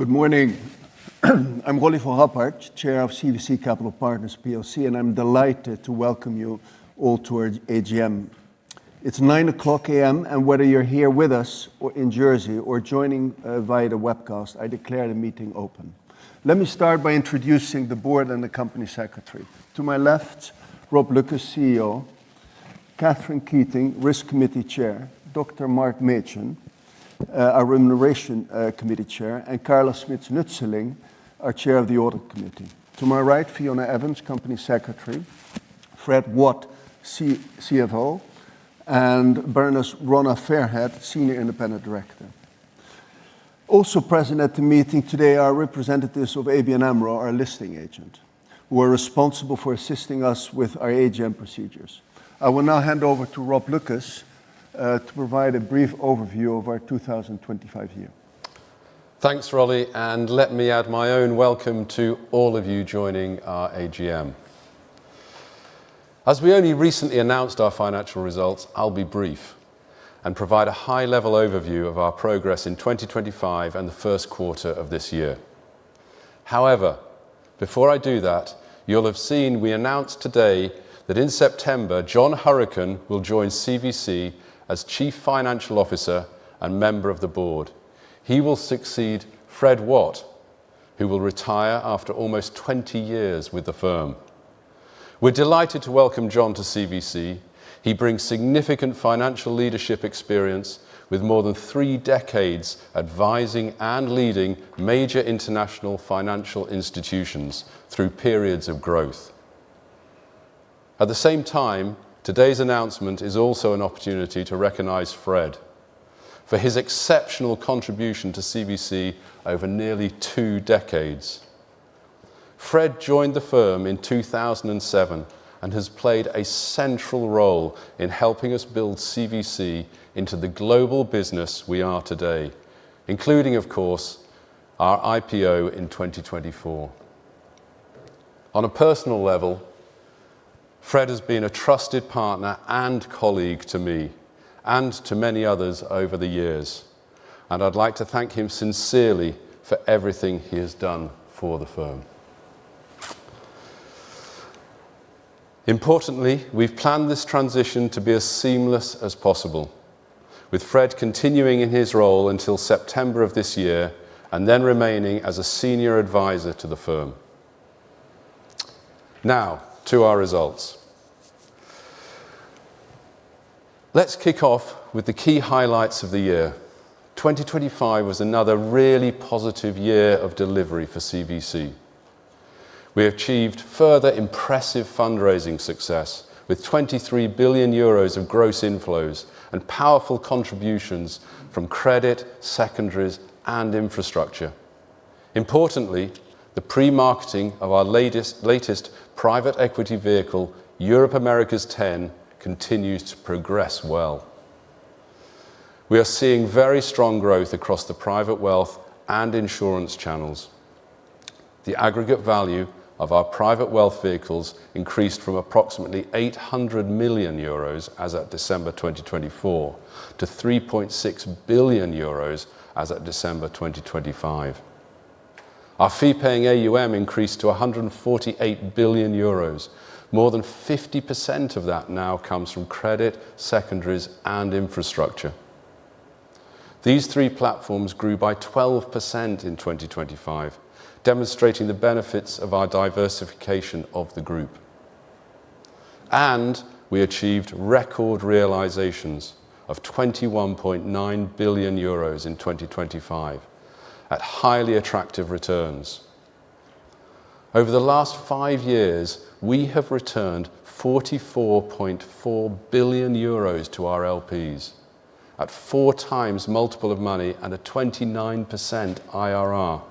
Good morning. I'm Rolly van Rappard, Chair of CVC Capital Partners plc, and I'm delighted to welcome you all to our AGM. It's 9:00 A.M., whether you're here with us or in Jersey or joining via the webcast, I declare the meeting open. Let me start by introducing the Board and the Company Secretary. To my left, Rob Lucas, CEO, Catherine Keating, Risk Committee Chair, Mark Machin, our Remuneration Committee Chair, and Carla Smits-Nusteling, our Chair of the Audit Committee. To my right, Fiona Evans, Company Secretary, Fred Watt, CFO, and Rona Fairhead, Senior Independent Director. Also present at the meeting today are representatives of ABN AMRO, our listing agent, who are responsible for assisting us with our AGM procedures. I will now hand over to Rob Lucas to provide a brief overview of our 2025 year. Thanks, Rolly. Let me add my own welcome to all of you joining our AGM. As we only recently announced our financial results, I'll be brief and provide a high-level overview of our progress in 2025 and the first quarter of this year. Before I do that, you'll have seen we announced today that in September, John Hourican will join CVC as Chief Financial Officer and member of the Board. He will succeed Fred Watt, who will retire after almost 20 years with the firm. We're delighted to welcome John to CVC. He brings significant financial leadership experience with more than three decades advising and leading major international financial institutions through periods of growth. At the same time, today's announcement is also an opportunity to recognize Fred for his exceptional contribution to CVC over nearly two decades. Fred joined the firm in 2007 and has played a central role in helping us build CVC into the global business we are today, including, of course, our IPO in 2024. On a personal level, Fred has been a trusted partner and colleague to me and to many others over the years, and I'd like to thank him sincerely for everything he has done for the firm. Importantly, we've planned this transition to be as seamless as possible, with Fred continuing in his role until September of this year and then remaining as a Senior Advisor to the firm. Now to our results. Let's kick off with the key highlights of the year. 2025 was another really positive year of delivery for CVC. We achieved further impressive fundraising success with 23 billion euros of gross inflows and powerful contributions from credit, secondaries, and infrastructure. Importantly, the pre-marketing of our latest private equity vehicle, Europe/Americas X, continues to progress well. We are seeing very strong growth across the private wealth and insurance channels. The aggregate value of our private wealth vehicles increased from approximately 800 million euros as at December 2024 to 3.6 billion euros as at December 2025. Our Fee-Paying AUM increased to 148 billion euros. More than 50% of that now comes from credit, secondaries, and infrastructure. These three platforms grew by 12% in 2025, demonstrating the benefits of our diversification of the group. We achieved record realizations of 21.9 billion euros in 2025 at highly attractive returns. Over the last five years, we have returned 44.4 billion euros to our LPs at four times multiple of money and a 29% IRR.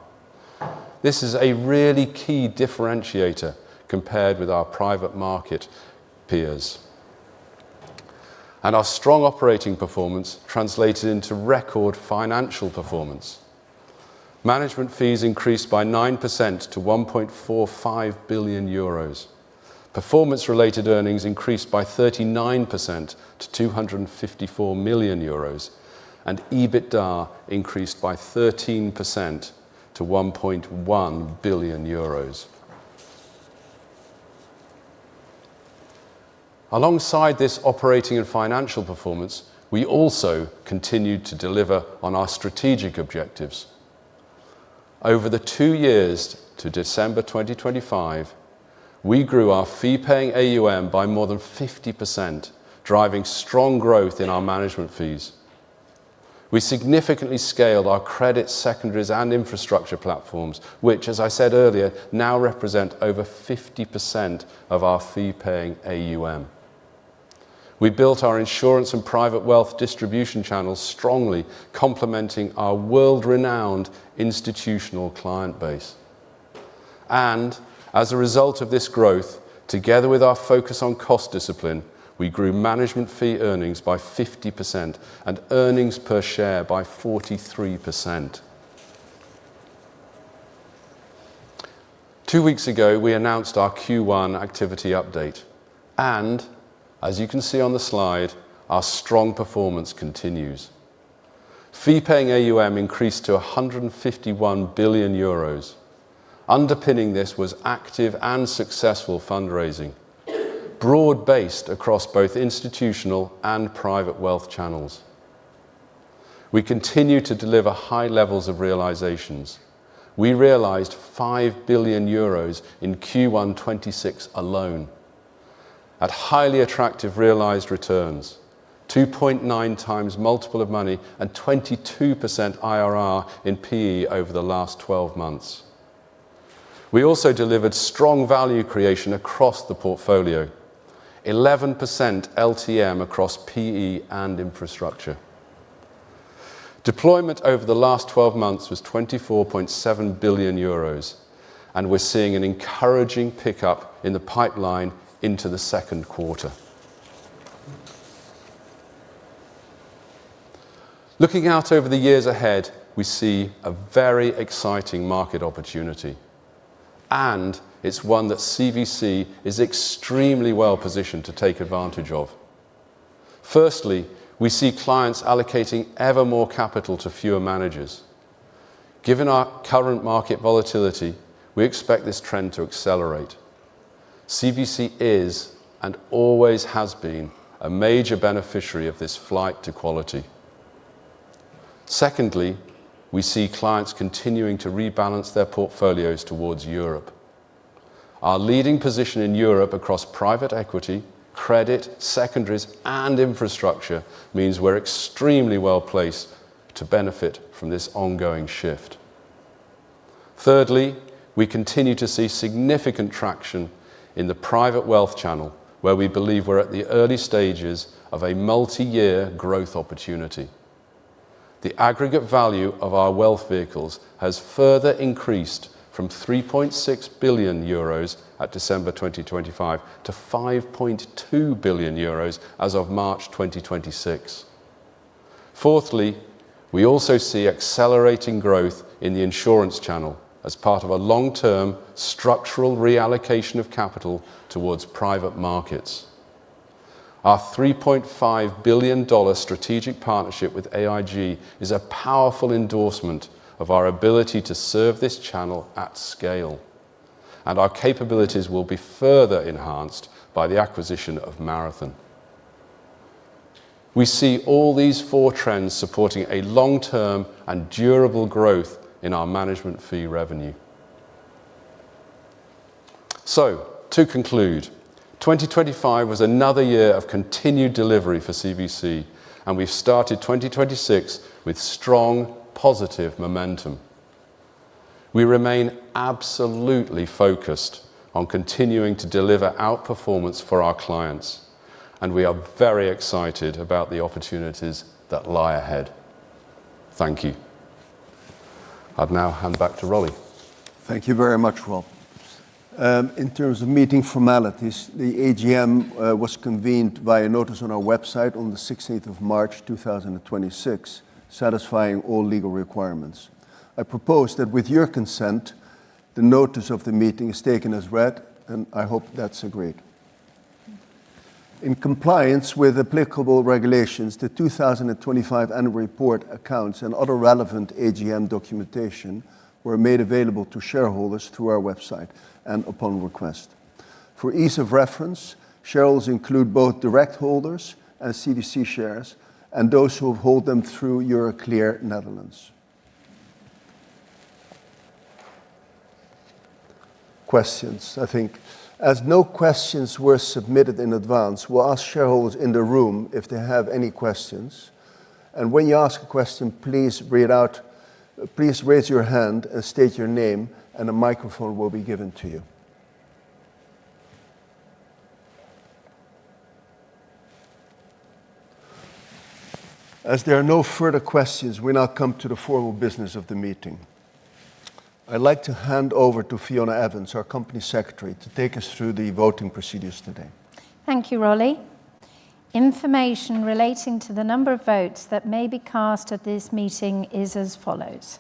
This is a really key differentiator compared with our private market peers. Our strong operating performance translated into record financial performance. Management fees increased by 9% to 1.45 billion euros. Performance-related earnings increased by 39% to 254 million euros, and EBITDA increased by 13% to 1.1 billion euros. Alongside this operating and financial performance, we also continued to deliver on our strategic objectives. Over the two years to December 2025, we grew our Fee-Paying AUM by more than 50%, driving strong growth in our management fees. We significantly scaled our credit secondaries and infrastructure platforms, which as I said earlier, now represent over 50% of our Fee-Paying AUM. We built our insurance and private wealth distribution channels strongly complementing our world-renowned institutional client base. As a result of this growth, together with our focus on cost discipline, we grew management fee earnings by 50% and earnings per share by 43%. Two weeks ago, we announced our Q1 activity update. As you can see on the slide, our strong performance continues. Fee-Paying AUM increased to 151 billion euros. Underpinning this was active and successful fundraising, broad-based across both institutional and private wealth channels. We continue to deliver high levels of realizations. We realized EUR 5 billion in Q1 2026 alone at highly attractive realized returns, 2.9x multiple of money and 22% IRR in PE over the last 12 months. We also delivered strong value creation across the portfolio, 11% LTM across PE and infrastructure. Deployment over the last 12 months was 24.7 billion euros, and we're seeing an encouraging pickup in the pipeline into the second quarter. Looking out over the years ahead, we see a very exciting market opportunity, and it's one that CVC is extremely well-positioned to take advantage of. Firstly, we see clients allocating ever more capital to fewer managers. Given our current market volatility, we expect this trend to accelerate. CVC is, and always has been, a major beneficiary of this flight to quality. Secondly, we see clients continuing to rebalance their portfolios towards Europe. Our leading position in Europe across private equity, credit, secondaries, and infrastructure means we're extremely well-placed to benefit from this ongoing shift. Thirdly, we continue to see significant traction in the private wealth channel, where we believe we're at the early stages of a multi-year growth opportunity. The aggregate value of our wealth vehicles has further increased from 3.6 billion euros at December 2025 to 5.2 billion euros as of March 2026. Fourthly, we also see accelerating growth in the insurance channel as part of a long-term structural reallocation of capital towards private markets. Our $3.5 billion strategic partnership with AIG is a powerful endorsement of our ability to serve this channel at scale, and our capabilities will be further enhanced by the acquisition of Marathon. We see all these four trends supporting a long-term and durable growth in our management fee revenue. To conclude, 2025 was another year of continued delivery for CVC, and we've started 2026 with strong positive momentum. We remain absolutely focused on continuing to deliver outperformance for our clients, and we are very excited about the opportunities that lie ahead. Thank you. I'll now hand back to Rolly. Thank you very much, Rob. In terms of meeting formalities, the AGM was convened by a notice on our website on the March 16th, 2026, satisfying all legal requirements. I propose that with your consent, the notice of the meeting is taken as read, and I hope that's agreed. In compliance with applicable regulations, the 2025 annual report accounts and other relevant AGM documentation were made available to shareholders through our website and upon request. For ease of reference, shareholders include both direct holders and CVC shares and those who hold them through Euroclear Nederland. Questions. I think as no questions were submitted in advance, we'll ask shareholders in the room if they have any questions. When you ask a question, please raise your hand and state your name, and a microphone will be given to you. As there are no further questions, we now come to the formal business of the meeting. I'd like to hand over to Fiona Evans, our company secretary, to take us through the voting procedures today. Thank you, Rolly. Information relating to the number of votes that may be cast at this meeting is as follows.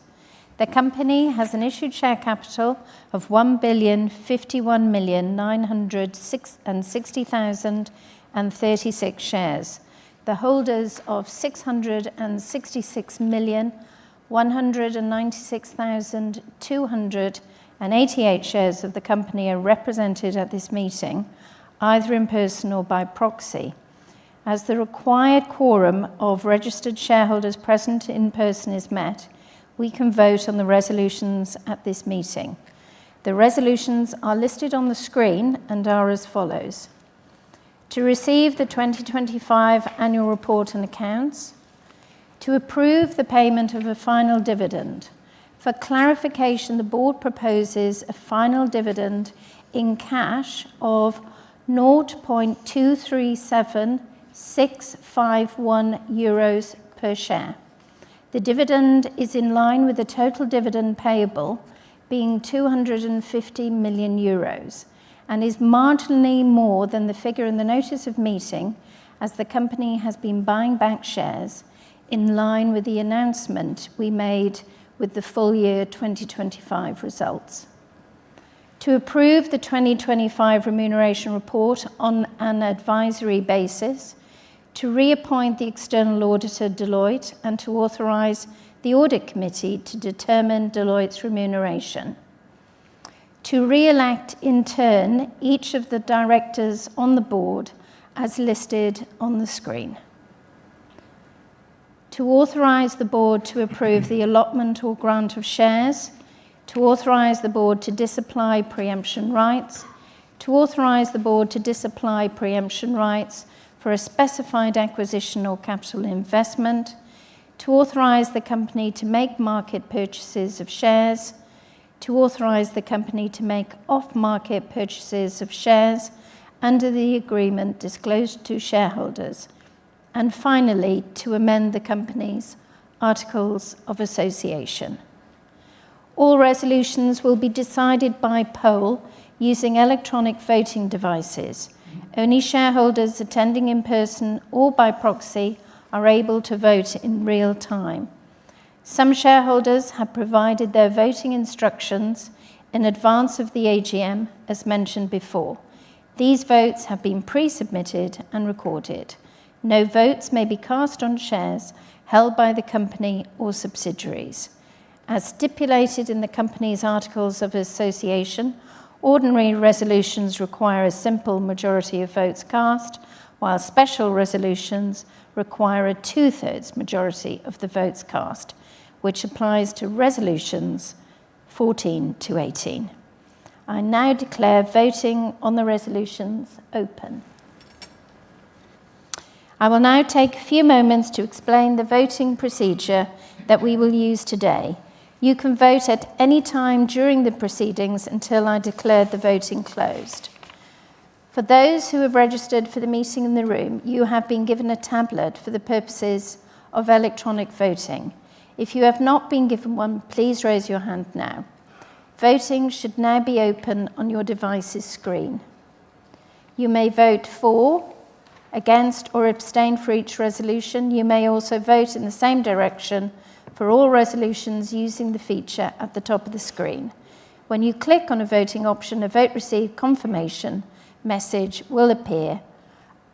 The company has an issued share capital of 1,051,060,036 shares. The holders of 666,196,288 shares of the company are represented at this meeting, either in person or by proxy. As the required quorum of registered shareholders present in person is met, we can vote on the resolutions at this meeting. The resolutions are listed on the screen and are as follows: To receive the 2025 annual report and accounts. To approve the payment of a final dividend. For clarification, the Board proposes a final dividend in cash of 0.237651 euros per share. The dividend is in line with the total dividend payable being 250 million euros and is marginally more than the figure in the notice of meeting as the company has been buying back shares in line with the announcement we made with the full year 2025 results. To approve the 2025 Remuneration Report on an advisory basis, to reappoint the external auditor, Deloitte, and to authorize the Audit Committee to determine Deloitte's remuneration. To reelect, in turn, each of the Directors on the Board as listed on the screen. To authorize the Board to approve the allotment or grant of shares, to authorize the Board to disapply preemption rights, to authorize the Board to disapply preemption rights for a specified acquisition or capital investment, to authorize the company to make market purchases of shares, to authorize the company to make off-market purchases of shares under the agreement disclosed to shareholders, finally, to amend the company's articles of association. All resolutions will be decided by poll using electronic voting devices. Only shareholders attending in person or by proxy are able to vote in real time. Some shareholders have provided their voting instructions in advance of the AGM, as mentioned before. These votes have been pre-submitted and recorded. No votes may be cast on shares held by the company or subsidiaries. As stipulated in the company's articles of association, ordinary resolutions require a simple majority of votes cast, while special resolutions require a 2/3 majority of the votes cast, which applies to resolutions 14-18. I now declare voting on the resolutions open. I will now take a few moments to explain the voting procedure that we will use today. You can vote at any time during the proceedings until I declare the voting closed. For those who have registered for the meeting in the room, you have been given a tablet for the purposes of electronic voting. If you have not been given one, please raise your hand now. Voting should now be open on your device's screen. You may vote for, against, or abstain for each resolution. You may also vote in the same direction for all resolutions using the feature at the top of the screen. When you click on a voting option, a vote received confirmation message will appear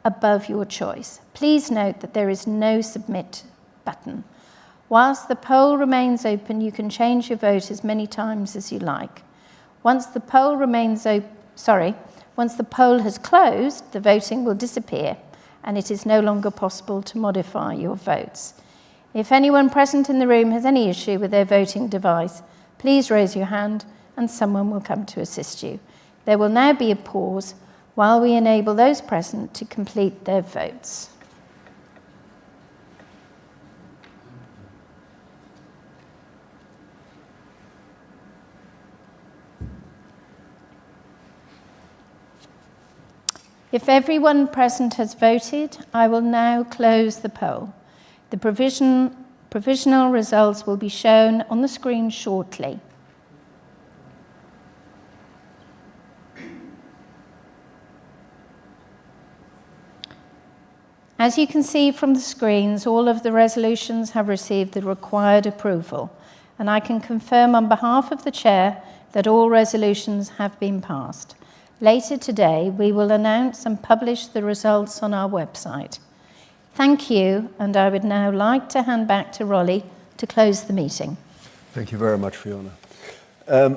above your choice. Please note that there is no submit button. While the poll remains open, you can change your vote as many times as you like. Once the poll has closed, the voting will disappear, and it is no longer possible to modify your votes. If anyone present in the room has any issue with their voting device, please raise your hand and someone will come to assist you. There will now be a pause while we enable those present to complete their votes. If everyone present has voted, I will now close the poll. The provisional results will be shown on the screen shortly. As you can see from the screens, all of the resolutions have received the required approval, and I can confirm on behalf of the chair that all resolutions have been passed. Later today, we will announce and publish the results on our website. Thank you, and I would now like to hand back to Rolly to close the meeting. Thank you very much, Fiona.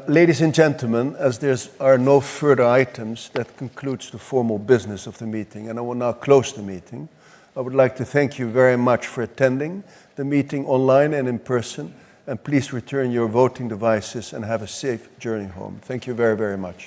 Ladies and gentlemen, as there are no further items, that concludes the formal business of the meeting, and I will now close the meeting. I would like to thank you very much for attending the meeting online and in person, and please return your voting devices and have a safe journey home. Thank you very much.